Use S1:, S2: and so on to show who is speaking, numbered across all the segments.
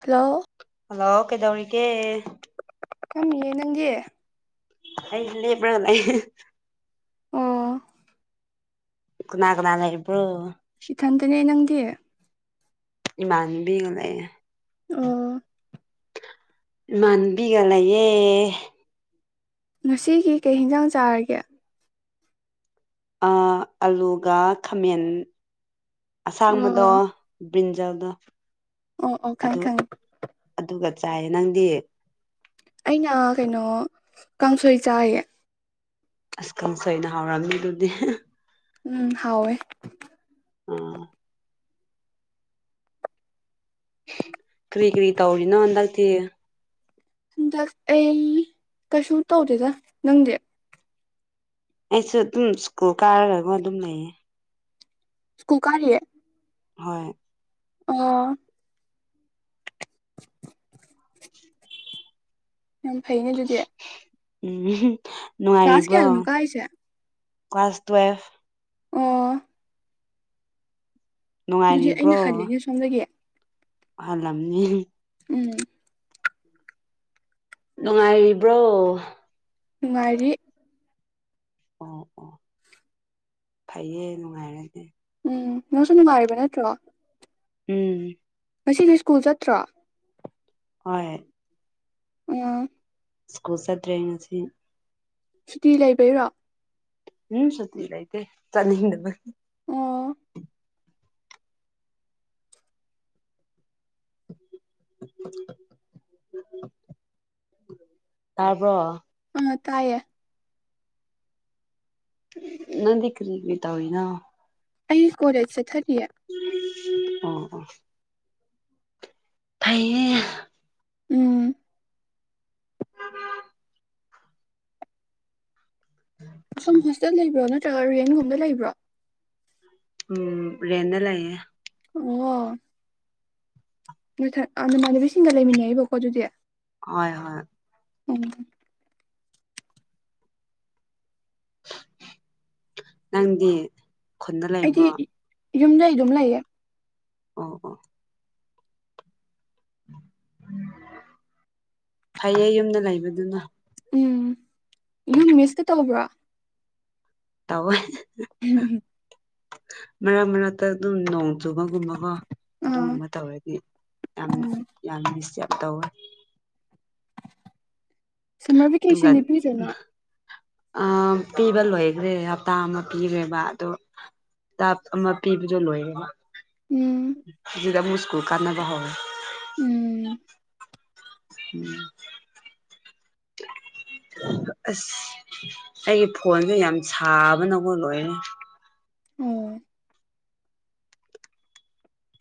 S1: hello
S2: hello ꯀꯩꯗꯧꯔꯤꯒꯦ
S1: ꯐꯝꯃꯤꯌꯦ ꯅꯪꯗꯤ
S2: ꯑꯩ ꯂꯦꯞꯄꯔꯒ ꯂꯩ
S1: ꯑꯣ
S2: ꯀꯅꯥ ꯀꯅꯥ ꯂꯩꯕ꯭ꯔꯣ
S1: ꯏꯊꯟꯇꯅꯦ ꯅꯪꯗꯤ
S2: ꯏꯃꯥꯟꯕꯤꯒ ꯂꯩꯌꯦ
S1: ꯑꯣ
S2: ꯏꯃꯥꯟꯕꯤꯒ ꯂꯩꯌꯦ
S1: ꯉꯁꯤꯒꯤ ꯀꯩ ꯍꯦꯟꯖꯥꯡ ꯆꯥꯔꯒꯦ
S2: ꯑ ꯑꯂꯨꯒ ꯈꯥꯃꯦꯟ ꯑꯁꯥꯡꯕꯗꯣ
S1: ꯑꯣ
S2: ꯕꯔ꯭ꯤꯟꯖꯜꯗꯣ
S1: ꯑꯣ ꯑꯣ ꯈꯪ ꯈꯪ
S2: ꯑꯗꯨꯒ ꯆꯥꯏꯌꯦ ꯅꯪꯗꯤ
S1: ꯑꯩꯅ ꯀꯩꯅꯣ ꯀꯥꯡꯁꯣꯏ ꯆꯥꯏꯌꯦ
S2: ꯑꯁ ꯀꯪꯁꯣꯏꯅ ꯍꯥꯎꯔꯝꯅꯤ ꯗꯨꯗꯤ
S1: ꯎꯝ ꯍꯥꯎꯋꯦ
S2: ꯑꯥ ꯀ꯭ꯔꯤ ꯀ꯭ꯔꯤ ꯇꯧꯔꯤꯅꯣ ꯍꯟꯗꯛꯇꯤ
S1: ꯍꯟꯗꯛ ꯑꯩ ꯀꯩꯁꯨ ꯇꯧꯗꯦꯗ ꯅꯪꯗꯤ
S2: ꯑꯩꯁꯨ ꯑꯗꯨꯝ ꯁ꯭ꯀꯨꯜ ꯀꯥꯔꯒꯁꯣ ꯑꯗꯨꯝ ꯂꯩꯌꯦ
S1: ꯁ꯭ꯀꯨꯜ ꯀꯥꯔꯤꯌꯦ
S2: ꯍꯣꯏ
S1: ꯑꯣ
S2: [unintelligible]
S1: ꯌꯥꯝ ꯐꯩꯅꯦ ꯑꯗꯨꯗꯤ
S2: ꯎꯝ
S1: ꯀ꯭ꯂꯥꯁ
S2: ꯅꯨꯡꯉꯥꯏꯔꯤꯕ꯭ꯔꯣ
S1: ꯀꯌꯥꯗꯅꯣ ꯀꯥꯔꯤꯁꯦ
S2: ꯀ꯭ꯂꯥꯁ ꯇꯨꯋꯦꯜꯐ
S1: ꯑꯣ ꯑꯗꯨꯗꯤ
S2: ꯅꯨꯡꯉꯥꯏꯔꯤꯕ꯭ꯔꯣ
S1: ꯑꯩꯅ ꯍꯜꯂꯤꯅꯦ ꯁꯣꯝꯗꯒꯤ
S2: ꯍꯜꯂꯝꯅꯤ
S1: ꯎꯝ
S2: ꯅꯨꯡꯉꯥꯏꯔꯤꯕ꯭ꯔꯣ
S1: ꯅꯨꯡꯉꯥꯏꯔꯤ
S2: ꯑꯣ ꯑꯣ ꯐꯩꯌꯦ ꯅꯨꯡꯉꯥꯏꯔꯗꯤ
S1: ꯎꯝ ꯅꯪꯁꯨ ꯅꯉꯥꯏꯔꯤꯕ ꯅꯠꯇ꯭ꯔꯣ
S2: ꯎꯝ
S1: ꯉꯁꯤꯗꯤ ꯁ꯭ꯀꯨꯜ ꯆꯠꯇ꯭ꯔꯣ
S2: ꯍꯣꯏ
S1: ꯑꯣ
S2: ꯁ꯭ꯀꯨꯜ ꯆꯠꯇ꯭ꯔꯦ ꯉꯁꯤ
S1: ꯁꯨꯇꯤ ꯂꯩꯕꯩꯔꯣ
S2: ꯎꯝ ꯁꯨꯇꯤ ꯂꯩꯇꯦ ꯆꯠꯅꯤꯡꯗꯕꯩ
S1: ꯑꯣ
S2: ꯇꯥꯕ꯭ꯔꯣ
S1: ꯑ ꯇꯥꯏꯌꯦ
S2: ꯅꯪꯗꯤ ꯀ꯭ꯔꯤ ꯀ꯭ꯔꯤ ꯇꯧꯔꯤꯅꯣ
S1: ꯑꯩꯩ ꯀꯣꯂꯦꯖ ꯆꯠꯊꯔꯤꯌꯦ
S2: ꯑꯣ ꯑꯣ ꯐꯩꯌꯦ
S1: ꯎꯝ
S2: [unintelligible]
S1: ꯁꯣꯝ ꯍꯣꯁꯇꯦꯜ ꯂꯩꯕ꯭ꯔꯣ ꯅꯠꯇ꯭ꯔꯒ ꯔꯦꯟꯒꯨꯝꯗ ꯂꯩꯕ꯭ꯔꯣ
S2: ꯎꯝ ꯔꯦꯟꯗ ꯂꯩꯌꯦ
S1: ꯑꯣ ꯅꯊꯟ ꯑ ꯅꯃꯥꯟꯅꯕꯤꯁꯤꯡꯒ ꯂꯩꯃꯤꯟꯅꯩꯕꯀꯣ ꯑꯗꯨꯗꯤ
S2: ꯍꯣꯏ ꯍꯣꯏ
S1: ꯑꫭ
S2: ꯅꯪꯗꯤ ꯈꯨꯟꯗ ꯂꯩꯕ꯭ꯔꯣ ꯑꯣ
S1: ꯑꯩꯗꯤ ꯌꯨꯝꯗꯩ ꯑꯗꯨꯝ ꯂꯩꯌꯦ
S2: ꯑꯣ ꯑꯣ ꯐꯩꯌꯦ ꯌꯨꯝꯗ ꯂꯩꯕꯗꯨꯅ
S1: ꯎꯝ ꯌꯨꯝ ꯃꯤꯁꯇ ꯇꯧꯕ꯭ꯔꯥ
S2: ꯇꯧꯋꯥ
S1: [unintelligible]
S2: ꯃꯔꯛ ꯃꯔꯛꯇ ꯑꯗꯨꯝ ꯅꯣꯡ ꯆꯨꯕꯒꯨꯝꯕꯀ
S1: ꯑꯥ
S2: ꯑꯗꯨꯒꯨꯝꯕ ꯇꯧꯔꯗꯤ ꯌꯥꯝ ꯌꯥꯝ ꯃꯤꯁꯦꯞ ꯇꯧꯋꯦ
S1: ꯁꯝꯃꯔ
S2: ꯇꯨꯒ
S1: ꯚꯦꯀꯦꯁꯟꯗꯤ ꯄꯤꯗ꯭ꯔꯣ ꯅꯣꯏ
S2: ꯑ ꯄꯤꯕ ꯂꯣꯏꯈ꯭ꯔꯦ ꯍꯞꯇꯥ ꯑꯃ ꯄꯤꯈ꯭ꯔꯦꯕ ꯑꯗꯣ ꯑꯃ ꯄꯤꯕꯗꯣ ꯂꯣꯏꯌꯦꯕ
S1: ꯎꯝ
S2: ꯑꯗꯨꯗ ꯑꯃꯨꯛ ꯁꯀꯨꯜ ꯀꯅꯕ ꯍꯣ
S1: ꯎꯝ
S2: ꯎꯝ ꯑꯁ ꯑꯩꯒꯤ ꯐꯣꯟꯗꯨ ꯌꯥꯝ ꯁꯥꯕ ꯅꯉ ꯂꯣꯏꯅꯦ
S1: ꯑꯣ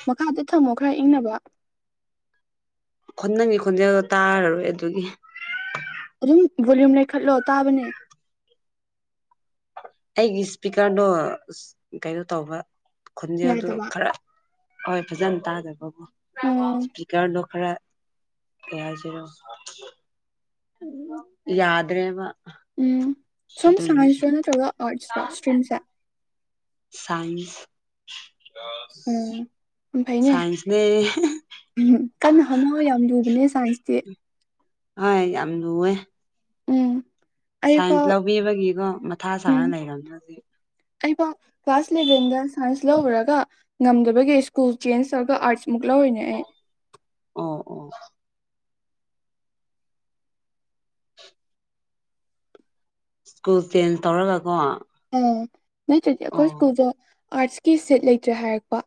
S1: ꯃꯈꯥꯗ ꯊꯝꯃꯣ ꯈꯔ ꯏꯪꯅꯕ
S2: ꯈꯣꯟ ꯅꯪꯒꯤ ꯈꯣꯟꯖꯦꯜ ꯇꯥꯔꯔꯣꯏ ꯑꯗꯨꯒꯤ
S1: ꯑꯗꯨꯝ ꯚꯣꯂꯌꯨꯝ ꯂꯩꯈꯠꯂꯣ ꯇꯥꯕꯅꯦ
S2: ꯑꯩꯒꯤ ꯏꯁꯄꯤꯀꯔꯗꯣ ꯏꯁ ꯀꯩꯅꯣ ꯇꯧꯕ ꯈꯣꯟꯖꯦꯜꯗꯨ
S1: ꯌꯥꯗꯕ
S2: ꯈꯔ ꯍꯣꯏ ꯐꯖꯅ ꯇꯥꯗꯕꯀꯣ
S1: ꯎꯝ
S2: ꯀꯌꯥꯔ ꯗꯣ ꯈꯔꯥ ꯀꯍꯥꯏꯁꯤꯔꯥ ꯌꯥꯗ꯭ꯔꯦꯕ
S1: ꯎꯝ ꯁꯨꯝ
S2: ꯑꯗꯨꯒꯤ
S1: ꯁꯥꯏꯟꯁꯔꯣ ꯅꯠꯇ꯭ꯔꯒ ꯑꯥꯔꯠꯁꯔꯣ ꯁ꯭ꯇ꯭ꯔꯤꯝꯁꯦ
S2: ꯁꯥꯏꯟꯁ
S1: ꯎꯝ ꯐꯩꯅꯦ
S2: ꯁꯥꯏꯟꯁꯅꯦ
S1: ꯎꯝ ꯀꯟꯅ ꯍꯣꯠꯅꯧ ꯌꯥꯝ ꯂꯨꯕꯅꯦ ꯁꯥꯏꯟꯁꯇꯤ
S2: ꯍꯣꯏ ꯌꯥꯝ ꯂꯨꯋꯦ
S1: ꯎꯝ ꯑꯩꯐꯥꯎ
S2: ꯁꯥꯏꯟꯁ ꯂꯧꯕꯤꯕꯒꯤꯀꯣ ꯃꯊꯥ
S1: ꯎꯝ
S2: ꯁꯥꯔ ꯂꯩꯔꯕꯝꯅꯦ ꯍꯧꯖꯤꯛ
S1: ꯑꯩꯐꯥꯎ ꯀ꯭ꯂꯥꯁ ꯏꯂꯦꯚꯦꯟꯗ ꯁꯥꯏꯟꯁ ꯂꯧꯔꯨꯔꯒ ꯉꯝꯗꯕꯒꯤ ꯁ꯭ꯀꯨꯜ ꯆꯦꯟꯖ ꯇꯧꯔꯒ ꯑꯥꯔꯠꯁ ꯃꯨꯛ ꯂꯧꯔꯤꯅꯦ ꯑꯩ
S2: ꯑꯣ ꯑꯣ ꯁ꯭ꯀꯨꯜ ꯆꯦꯟꯖ ꯇꯧꯔꯒꯀꯣ
S1: ꯎꯝ ꯅꯠꯇ꯭ꯔꯗꯤ
S2: ꯑꯣ
S1: ꯑꯩꯈꯣꯏ ꯁ꯭ꯀꯨꯜꯗꯣ ꯑꯥꯔꯠꯁꯀꯤ ꯁꯦꯠ ꯂꯩꯇ꯭ꯔꯦ ꯍꯥꯏꯔꯛꯄ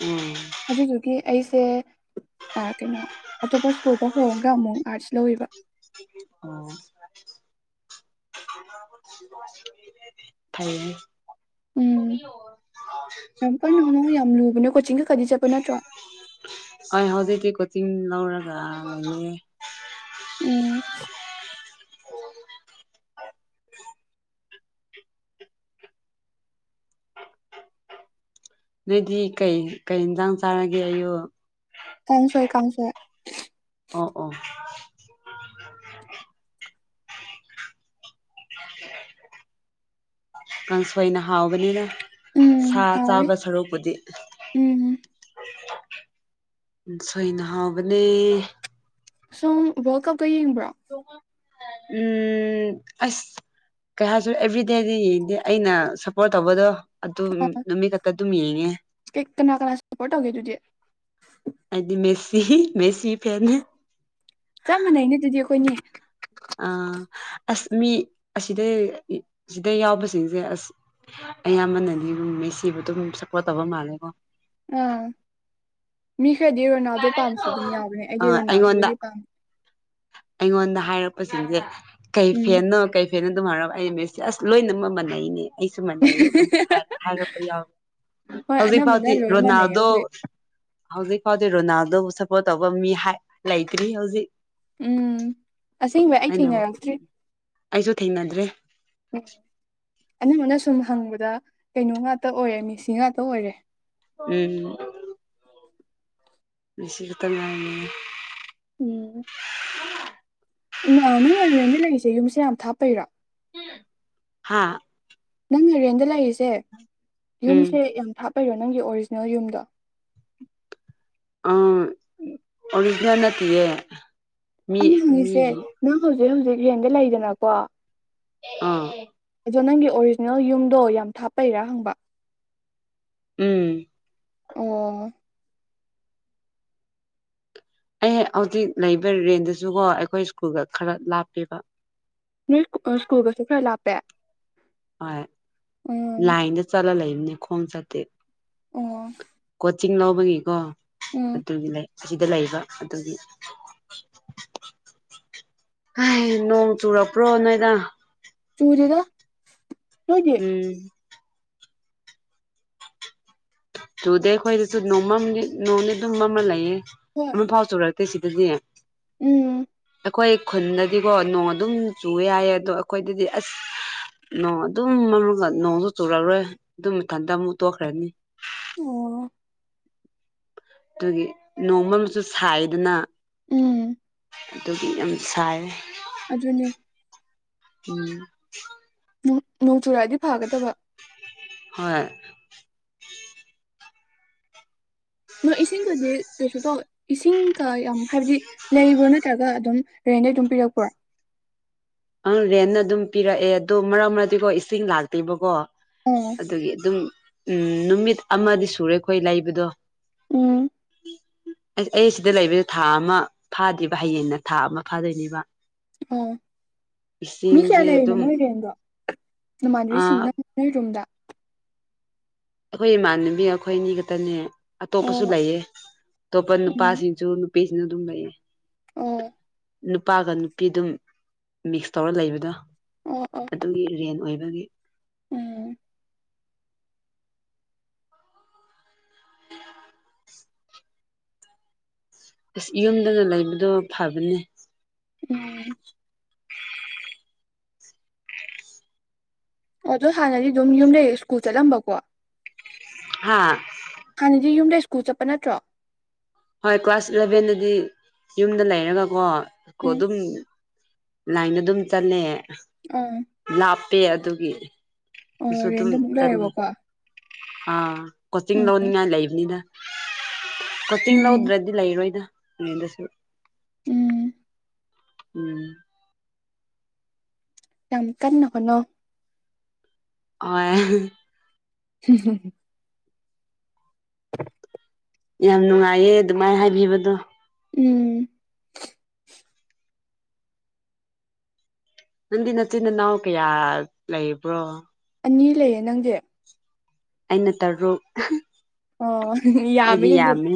S2: ꯎꯝ
S1: ꯑꯗꯨꯗꯨꯒꯤ ꯑꯩꯁꯦ ꯑꯥ ꯀꯩꯅꯣ ꯑꯇꯣꯞꯄ ꯁ꯭ꯀꯨꯜꯗ ꯍꯣꯡꯉꯒ ꯑꯃꯨꯛ ꯑꯥꯔꯠꯁ ꯂꯧꯋꯦꯕ
S2: ꯑꯣ ꯐꯩꯌꯦ
S1: ꯎꯝ ꯌꯥꯝ ꯀꯟꯅ ꯍꯣꯠꯅꯧ ꯌꯥꯝ ꯂꯨꯕꯅꯦ ꯀꯣꯆꯤꯡꯒ ꯈꯗꯤ ꯆꯠꯄ ꯅꯠꯇ꯭ꯔꯣ
S2: ꯑꯣꯏ ꯍꯧꯖꯤꯛꯗꯤ ꯀꯣꯆꯤꯡ ꯂꯧꯔꯒ ꯂꯩꯌꯦ
S1: ꯎꯝ
S2: ꯅꯣꯏꯗꯤ ꯀꯩ ꯀꯩ ꯏꯟꯁꯥꯡ ꯆꯥꯔꯒꯦ ꯑꯩꯌꯨꯛ
S1: ꯀꯥꯡꯁꯣꯏ ꯀꯥꯡꯁꯣꯏ
S2: ꯑꯣ ꯑꯣ ꯀꯥꯡꯁꯣꯏꯅ ꯍꯥꯎꯕꯅꯤꯗ
S1: ꯎꯝ
S2: ꯁꯥ
S1: ꯍꯥꯎꯋꯦ
S2: ꯆꯥꯕ ꯁꯔꯨꯛꯄꯨꯗꯤ
S1: ꯎꯝ
S2: ꯁꯣꯏꯅ ꯍꯥꯎꯕꯅꯦ
S1: ꯁꯣꯝ ꯋꯥꯔꯜ ꯀꯞꯀꯥ ꯌꯦꯡꯕ꯭ꯔꯣ
S2: ꯎꯝ ꯑꯁ ꯀꯩ ꯍꯥꯏꯗꯨ ꯑꯦꯚ꯭ꯔꯤꯗꯦꯗꯤ ꯌꯦꯡꯗꯦ ꯑꯩꯅ ꯁꯞꯄꯣꯔꯠ ꯇꯧꯕꯗꯣ ꯑꯗꯨ ꯅꯨꯃꯤꯠ ꯈꯛꯇ ꯑꯗꯨꯝ ꯌꯦꯡꯉꯦ
S1: ꯑꯦ ꯀꯅꯥ ꯀꯅꯥ ꯁꯞꯄꯣꯔꯠ ꯇꯧꯒꯦ ꯑꯗꯨꯗꯤ
S2: ꯑꯩꯗꯤ ꯃꯦꯁꯤ ꯃꯦꯁꯤ ꯐꯦꯟꯅꯦ
S1: ꯆꯞ ꯃꯥꯟꯅꯩꯅꯦ ꯑꯗꯨꯗꯤ ꯈꯣꯏꯅꯤ
S2: ꯑꯥ ꯑꯁ ꯃꯤ ꯑꯁꯤꯗꯩ ꯑꯁꯤꯗ ꯌꯥꯎꯕꯁꯤꯡꯁꯦ ꯑꯁ ꯑꯌꯥꯝꯕꯅꯥꯅꯦ ꯃꯦꯁꯤꯕꯨ ꯗꯨꯝ ꯁꯞꯄꯣꯔꯠ ꯇꯧꯕ ꯃꯥꯜꯂꯦꯀꯣ
S1: ꯑꯥ ꯃꯤ ꯈꯔꯗꯤ ꯔꯣꯅꯥꯜꯗꯣ ꯄꯥꯝꯕꯁꯨ ꯑꯗꯨꯝ ꯌꯥꯎꯕꯅꯦ
S2: ꯑ
S1: ꯑꯩꯗꯤ
S2: ꯑꯩꯉꯣꯟꯗ
S1: ꯔꯣꯅꯥꯜꯗꯣꯗꯤ ꯄꯥꯝꯃꯦ
S2: ꯑꯩꯉꯣꯟꯗ ꯍꯥꯏꯔꯛꯄꯁꯤꯡꯁꯦ ꯀꯩ
S1: ꯎꯝ
S2: ꯐꯦꯟꯅꯣ ꯀꯩ ꯐꯦꯟ ꯑꯗꯨꯝ ꯍꯥꯏꯔ ꯑꯩ ꯃꯦꯁꯤ ꯑꯁ ꯂꯣꯏꯅꯃꯛ ꯃꯥꯟꯅꯩꯅꯦ ꯑꯩꯁꯨ ꯃꯥꯟꯅꯩ ꯑꯗꯨꯝ ꯍꯥꯏ ꯍꯥꯏꯔꯛꯄ ꯌꯥꯎ
S1: ꯍꯣꯏ
S2: ꯍꯧꯖꯤꯛ ꯐꯥꯎꯇꯤ
S1: ꯑꯅꯝꯕꯅ ꯂꯣꯏ ꯃꯥꯟꯅꯩ
S2: ꯔꯣꯅꯥꯜꯗꯣ
S1: ꯑꯩꯈꯣꯏ
S2: ꯍꯧꯖꯤꯛ ꯐꯥꯎꯗꯤ ꯔꯣꯅꯥꯜꯗꯣꯕꯨ ꯁꯞꯄꯣꯔꯠ ꯇꯧꯕ ꯃꯤ ꯍꯥꯏ ꯂꯩꯇ꯭ꯔꯤ ꯍꯧꯖꯤꯛ
S1: ꯎꯝ ꯑꯁꯦꯡꯕꯩ ꯑꯩ
S2: ꯑꯩꯅꯕꯨ
S1: ꯊꯦꯡꯅꯔꯛꯇ꯭ꯔꯤ
S2: ꯑꯩꯁꯨ ꯊꯦꯡꯅꯗ꯭ꯔꯦ
S1: ꯑꯅꯝꯕꯅ ꯁꯨꯝ ꯍꯪꯕꯗ ꯀꯩꯅꯣ ꯉꯥꯛꯇ ꯑꯣꯏꯔꯦ ꯃꯦꯁꯤ ꯉꯥꯛꯇ ꯑꯣꯏꯔꯦ
S2: ꯎꯝ ꯃꯤꯁꯤ ꯈꯛꯇꯪ ꯉꯥꯏ
S1: ꯎꯝ ꯎꯝ [unintelligible] ꯂꯩꯔꯤꯁꯦ ꯌꯨꯝꯁꯦ ꯌꯥꯝ ꯊꯞꯄꯩꯔꯣ
S2: ꯍꯥꯥ
S1: ꯅꯪꯅ ꯔꯦꯟꯗ ꯂꯩꯔꯤꯁꯦ
S2: ꯎꯝ
S1: ꯌꯨꯝꯁꯦ ꯌꯥꯝ ꯊꯥꯞꯄꯩꯔꯣ ꯅꯪꯒꯤ ꯑꯣꯔꯤꯖꯤꯅꯦꯜ ꯌꯨꯝꯗꯣ
S2: ꯑꯨꯝ ꯑꯣꯔꯤꯖꯅꯦꯜ ꯅꯠꯇꯤꯌꯦ ꯃꯤ
S1: ꯑꯩꯅ ꯍꯪꯉꯤꯁꯦ
S2: ꯃꯤꯒꯤ
S1: ꯅꯪ ꯍꯧꯖꯤꯛ ꯍꯧꯖꯤꯛ ꯍꯦꯟꯗ ꯂꯩꯗꯅꯀꯣ
S2: ꯑꯥ
S1: ꯑꯗꯣ ꯅꯪꯒꯤ ꯑꯣꯔꯤꯖꯤꯅꯦꯜ ꯌꯨꯝꯗꯣ ꯌꯥꯝ ꯊꯥꯞꯄꯩꯔꯥ ꯍꯪꯕ
S2: ꯎꯝ
S1: ꯑꯣ
S2: ꯑꯩ ꯍꯧꯖꯤꯛ ꯂꯩꯕ ꯔꯦꯟꯗꯁꯨꯀꯣ ꯑꯩꯈꯣꯏ ꯁ꯭ꯀꯨꯜꯒ ꯈꯔ ꯂꯥꯞꯄꯦꯕ
S1: ꯅꯣꯏ ꯁ꯭ꯀꯨꯜꯒꯁꯨ ꯈꯔ ꯂꯞꯄꯦ
S2: ꯍꯣꯏ ꯂꯥꯏꯟꯗ ꯆꯠꯂ ꯂꯩꯕꯅꯤ ꯈꯣꯡ ꯆꯠꯇꯦ
S1: ꯑꯣ
S2: ꯆꯤꯡ ꯂꯧꯕꯒꯤꯀꯣ
S1: ꯎꯝ
S2: ꯑꯗꯨꯒꯤ ꯂꯩ ꯑꯁꯤꯗ ꯂꯩꯕ ꯑꯗꯨꯒꯤ ꯍ ꯅꯣꯡ ꯆꯨꯔꯄ꯭ꯔꯣ ꯅꯣꯏꯗ
S1: ꯆꯨꯔꯤꯗ ꯆ
S2: ꯎꯝ ꯇꯨꯗꯩ ꯑꯩꯈꯣꯏꯗꯁꯨ ꯅꯣꯡꯃ ꯅꯣꯡꯗꯤ ꯑꯗꯨꯝ ꯑꯃ ꯂꯩꯌꯦꯦ
S1: ꯍꯣꯏ
S2: ꯑꯃ ꯐꯥꯎ ꯆꯨꯔꯛꯇꯦ ꯁꯤꯗꯗꯤ
S1: ꯎꯝ
S2: ꯑꯩꯈꯣꯏ ꯈꯨꯟꯗꯗꯤꯀꯣ ꯅꯣꯡ ꯑꯗꯨꯝ ꯆꯨꯕ ꯌꯥꯏꯌꯦ ꯑꯗꯣ ꯑꯩꯈꯣꯏꯗꯗꯤ ꯑꯁ ꯅꯣꯡ ꯑꯗꯨꯝ ꯅꯣꯡꯁꯨ ꯆꯨꯔꯛꯔꯣꯏ ꯑꯗꯨꯝ ꯏꯊꯟꯇ ꯑꯃꯨꯛ ꯇꯣꯛꯈ꯭ꯔꯅꯤ
S1: ꯑꯣ
S2: ꯑꯗꯨꯒꯤ ꯅꯣꯡꯃ ꯑꯃꯁꯨ ꯁꯥꯏꯗꯅ
S1: ꯎꯝ
S2: ꯑꯗꯨꯗꯤ ꯌꯥꯝ ꯁꯥꯔꯦ
S1: ꯑꯗꯨꯅꯦ
S2: ꯎꯝ
S1: ꯅꯣꯡ ꯆꯨꯔꯥꯑꯗꯤ ꯐꯥꯒꯗꯕ
S2: ꯍꯣꯏ
S1: ꯑꯗꯣ ꯏꯁꯤꯡꯒꯗꯤ ꯀꯩꯁꯨ ꯇꯧ ꯏꯁꯤꯡꯒ ꯌꯥꯝ ꯍꯥꯏꯕꯗꯤ ꯂꯩꯕ꯭ꯔ ꯅꯠꯇ꯭ꯔꯒ ꯑꯗꯨꯝ ꯔꯦꯟꯗꯩ ꯑꯗꯨꯝ ꯄꯤꯔꯛꯄ꯭ꯔ
S2: ꯑꯪ ꯔꯦꯟꯅ ꯑꯗꯨꯝ ꯄꯤꯔꯛꯑꯦ ꯑꯗꯣ ꯃꯔꯛ ꯃꯔꯗꯤꯀꯣ ꯏꯁꯤꯡ ꯂꯥꯛꯇꯦꯕꯀꯣ
S1: ꯑꯣ
S2: ꯑꯗꯨꯒꯤ ꯑꯗꯨꯝ ꯎꯝ ꯅꯨꯃꯤꯠ ꯑꯃꯗꯤ ꯁꯨꯔꯦ ꯑꯩꯈꯣꯏ ꯂꯩꯕꯗꯣ
S1: ꯎꯝ
S2: ꯑꯁ ꯑꯩ ꯁꯤꯗ ꯂꯩꯕꯗ ꯊꯥ ꯑꯃ ꯐꯥꯗ꯭ꯔꯤꯕ ꯍꯌꯦꯡꯅ ꯊꯥ ꯑꯃ ꯐꯥꯗꯣꯏꯅꯦꯕ
S1: ꯑ ꯃꯤ
S2: ꯏꯁꯤꯡꯁꯦ
S1: ꯀꯌꯥꯂ ꯍꯥꯏꯩꯅ
S2: ꯑꯗꯨꯝ
S1: ꯅꯣꯏꯗꯦꯟ ꯑꯗꯨꯣ ꯅꯃꯥꯟꯅꯕꯤꯁꯤꯡꯅ
S2: ꯑꯩꯈꯣꯏ
S1: ꯅꯣꯏꯔꯣꯝꯗ
S2: ꯑꯩꯈꯣꯏ ꯏꯃꯥꯟꯅꯕꯤ ꯑꯩꯈꯣꯏ ꯑꯅꯤ ꯈꯛꯇꯅꯦ ꯑꯇꯣꯞꯄꯁꯨ
S1: ꯑꯣ
S2: ꯂꯩꯌꯦ ꯑꯇꯣꯞꯄ
S1: ꯎꯝ
S2: ꯅꯨꯄꯥꯁꯤꯡꯁꯨ ꯄꯖꯅ ꯑꯗꯨꯝ ꯂꯩꯌꯦ
S1: ꯑꯣꯝ
S2: ꯅꯨꯄꯥꯒ ꯅꯨꯄꯤꯗꯨꯝ ꯃꯤꯛꯁ ꯇꯧꯔ ꯂꯩꯕꯗꯣ
S1: ꯎꯝ ꯎꯝ
S2: ꯑꯗꯨꯒꯤ ꯔꯦꯟ ꯑꯣꯏꯕꯒꯤ
S1: ꯎꯝ
S2: [inaudible] ꯑꯁ ꯌꯨꯝꯗꯅ ꯂꯩꯕꯗꯣ ꯐꯕꯅꯦ
S1: ꯎꯝ ꯑꯗꯣ ꯍꯥꯟꯅꯗꯤ ꯑꯗꯨꯝ ꯌꯨꯝ ꯂꯩꯔ ꯁ꯭ꯀꯨꯜ ꯆꯠꯂꯝꯕꯀꯣ
S2: ꯍꯥꯥ
S1: ꯍꯥꯟꯅꯗꯤ ꯌꯨꯝꯗ ꯁ꯭ꯀꯨꯜ ꯆꯠꯄ ꯅꯠꯇ꯭ꯔꯣ
S2: ꯍꯣꯏ ꯀ꯭ꯂꯥꯁ ꯏꯂꯚꯦꯟꯗꯗꯤ ꯌꯨꯝꯗ ꯂꯩꯔꯒꯀꯣ ꯀꯣ
S1: ꯎꯝ
S2: ꯑꯗꯨꯝ ꯂꯥꯏꯟꯗ ꯑꯗꯨꯝ ꯆꯠꯂꯦ
S1: ꯑꯥ
S2: ꯂꯥꯞꯄꯦ ꯑꯗꯨꯒꯤꯁꯨ
S1: ꯑꯣ
S2: ꯑꯗꯨꯝ
S1: ꯔꯦꯟꯗ ꯑꯃꯨꯛ
S2: ꯆꯉ
S1: ꯂꯩꯔꯦꯕꯀꯣ
S2: ꯑꯥ ꯀꯣꯆꯤꯡ
S1: ꯎꯝ
S2: ꯂꯣꯟꯅꯤꯡꯉꯥꯏ ꯂꯩꯕꯅꯤꯅ ꯀꯣꯆꯤꯡ
S1: ꯎꯝ
S2: ꯂꯧꯗ꯭ꯔꯗꯤ ꯂꯩꯔꯣꯏꯗ ꯅꯦꯟꯗꯁꯨ
S1: ꯎꯝ
S2: ꯎꯝ
S1: ꯅꯝ ꯀꯥꯟ ꯅꯍꯅꯣ
S2: ꯑꯣ
S1: ꯍꯝ ꯍ
S2: ꯌꯥꯝ ꯅꯨꯡꯉꯥꯏꯌꯦ ꯑꯗꯨꯃꯥꯏꯅ ꯍꯥꯏꯕꯤꯕꯗꯣ
S1: ꯎꯝ
S2: ꯅꯪꯗꯤ ꯅꯆꯤꯟꯅꯥꯎ ꯀꯌꯥ ꯂꯩꯕ꯭ꯔꯣ
S1: ꯑꯅꯤ ꯂꯩꯌꯦ ꯅꯪꯁꯦ
S2: ꯑꯩꯅ ꯇꯔꯨꯛ
S1: ꯑꯣ
S2: ꯑꯩꯗꯤ
S1: ꯌꯥꯝꯃꯤꯅꯦꯗꯤ
S2: ꯌꯥꯝꯃꯦ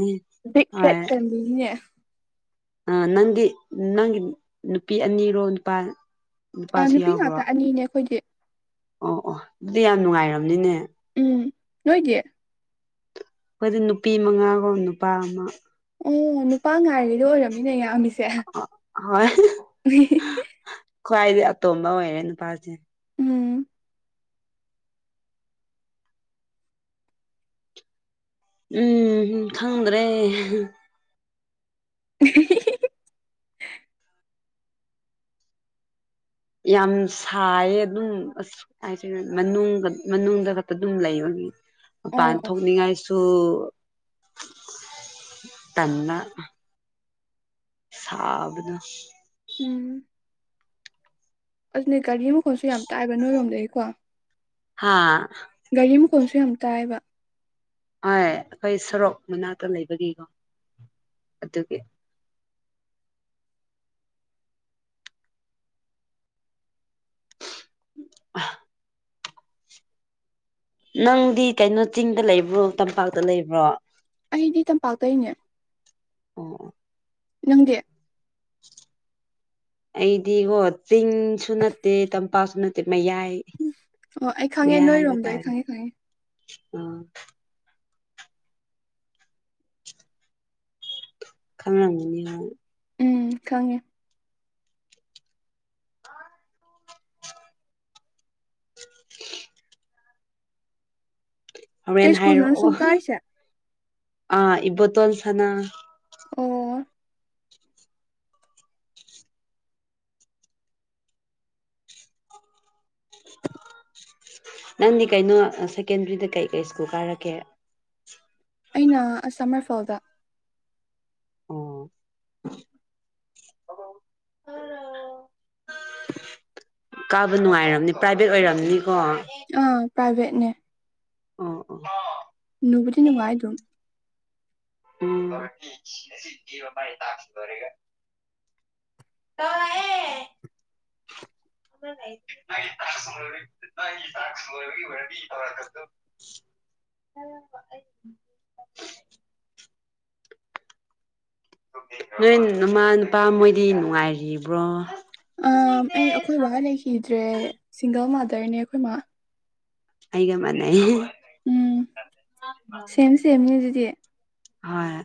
S1: ꯛ ꯆꯠ
S2: ꯍꯣꯏ
S1: ꯆꯟꯕꯤꯅꯤꯅꯦ
S2: ꯑ ꯅꯪꯒꯤ ꯅꯪꯒꯤ ꯅꯨꯄꯤ ꯑꯅꯤꯔꯣ ꯅꯨꯄꯥ
S1: ꯑ
S2: ꯅꯨꯄꯥꯁꯨ
S1: ꯅꯨꯄꯤ
S2: ꯌꯥꯎꯕ꯭ꯔꯣ
S1: ꯉꯥꯛꯇ ꯑꯅꯤꯅꯦ ꯑꯩꯈꯣꯏꯗꯤ
S2: ꯑꯣ ꯑꯣ ꯑꯗꯨꯗꯤ ꯌꯥꯝ ꯅꯨꯡꯉꯥꯏꯔꯕꯅꯤꯅꯦ
S1: ꯎꯝ ꯅꯣꯏꯗꯤ
S2: ꯑꯩꯣꯏꯗꯤ ꯅꯨꯄꯤ ꯃꯉꯥꯒꯨꯝ ꯅꯨꯄꯥ ꯑꯃ
S1: ꯑꯣ ꯅꯨꯄꯥ ꯉꯥꯏꯔꯤꯗꯣ ꯑꯣꯏꯔꯝꯅꯤꯅ ꯌꯥꯝꯃꯤꯁꯦ
S2: ꯍꯣꯏ ꯈ꯭ꯋꯥꯏꯗꯤ ꯑꯇꯣꯝꯕ ꯑꯣꯏꯔꯦ ꯅꯨꯄꯥꯁꯦ
S1: ꯎꯝ
S2: ꯎꯝ ꯈꯪꯗ꯭ꯔꯦ
S1: ꯎ
S2: ꯌꯥꯝ ꯁꯥꯏꯌꯦ ꯑꯗꯨꯝ ꯑꯁ ꯍꯥꯏꯁ ꯃꯅꯨꯡꯗ ꯃꯅꯨꯡꯗ ꯈꯛꯇ ꯑꯗꯨꯝ ꯂꯩꯕꯒꯤ ꯃꯄꯥꯟ
S1: ꯑꯣ
S2: ꯊꯣꯛꯅꯤꯡꯉꯥꯏꯁꯨ ꯇꯟꯅ ꯁꯥꯕꯅ
S1: ꯎꯝ ꯑꯗꯨꯅꯦ ꯒꯥꯔꯤ ꯃꯈꯣꯡꯁꯨ ꯌꯥꯝ ꯇꯥꯏꯕ ꯅꯣꯏꯔꯣꯝꯗꯒꯤꯀꯣ
S2: ꯍꯥꯥ
S1: ꯒꯥꯔꯤ ꯃꯈꯣꯟꯜꯁꯨ ꯌꯥꯝ ꯇꯥꯏꯕ
S2: ꯍ ꯑꯩꯈꯣꯏ ꯁꯣꯔꯣꯛ ꯃꯅꯥꯛꯇ ꯂꯩꯕꯒꯤꯀꯣ ꯑꯗꯨꯒꯤ [unintelligible] ꯅꯪꯗꯤ ꯀꯩꯅꯣ ꯆꯤꯡꯗ ꯂꯩꯕ꯭ꯔꯣ ꯇꯝꯄꯥꯛꯇ ꯂꯩꯕ꯭ꯔꯣ
S1: ꯑꯩꯗꯤ ꯇꯝꯄꯥꯛꯇꯩꯅꯦ
S2: ꯑꯣ
S1: ꯅꯪꯗꯤ
S2: ꯑꯩꯗꯤꯀꯣ ꯆꯤꯡ ꯁꯨ ꯅꯠꯇꯦ ꯇꯝꯄꯥꯁꯨ ꯅꯠꯇꯦ ꯃꯌꯥꯏ
S1: ꯑꯣ ꯑꯩ ꯈꯪꯉꯦ
S2: ꯃꯌꯥꯏ ꯍꯥꯏꯕ
S1: ꯅꯣꯏꯔꯣꯝꯗꯣ ꯑꯩ
S2: ꯇꯥꯔꯦ
S1: ꯈꯪꯉꯦ ꯈꯪꯉꯦ
S2: ꯎꯝ ꯈꯝꯂꯝ ꯃꯅꯤ
S1: ꯎꯝ ꯈꯪꯉꯦ
S2: ꯍꯣꯔꯦꯟ
S1: ꯀꯩ ꯁ꯭ꯀꯨꯜꯗꯅꯣ
S2: ꯍꯥꯏꯔꯛꯑꯣ
S1: ꯁꯨꯝ ꯀꯥꯔꯤꯁꯦ
S2: ꯑꯥ ꯏꯕꯣꯇꯣꯜ ꯁꯥꯅ
S1: ꯑꯣ
S2: ꯅꯪꯗꯤ ꯀꯩꯅꯣ ꯁꯦꯀꯦꯟꯗ꯭ꯔꯤꯗ ꯀꯩ ꯀꯩ ꯁ꯭ꯀꯨꯜ ꯀꯥꯔꯛꯀꯦ
S1: ꯑꯩꯅ ꯁꯃꯔꯐꯥꯎꯗ
S2: ꯑꯣ ꯀꯥꯕ ꯅꯨꯡꯉꯥꯏꯔꯝꯅꯤ ꯄ꯭ꯔꯥꯏꯚꯦꯠ ꯑꯣꯏꯔꯕꯝꯅꯤꯀꯣ
S1: ꯑꯥ ꯄ꯭ꯔꯥꯏꯚꯦꯠꯅꯦ
S2: ꯎ ꯑꯣ
S1: ꯅꯨꯕꯗꯤ ꯅꯨꯡꯉꯥꯏ ꯑꯗꯨꯝ
S2: [unintelligible] ꯇ ꯑꯦꯌꯦ ꯆꯔ ꯇ
S1: [unintelligible]
S2: ꯍ ꯅꯣꯏ ꯃꯃꯥ ꯅꯨꯄꯥ ꯃꯣꯏꯗꯤ ꯅꯨꯡꯉꯥꯏꯔꯤꯕ꯭ꯔꯣ
S1: ꯑ ꯑꯩ ꯑꯩꯈꯣꯏ ꯕꯥ ꯂꯩꯈꯤꯗ꯭ꯔꯦ ꯁꯤꯡꯒꯜ ꯃꯥꯗꯔꯅꯦ ꯑꯩꯈꯣꯏ ꯃꯥꯕꯥ
S2: ꯑꯩꯒ ꯃꯅꯦ
S1: ꯎꯝ ꯁꯦꯝ ꯁꯦꯝꯃꯤ ꯑꯗꯨꯗꯤ
S2: ꯍꯣꯏ